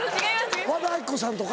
和田アキ子さんとか？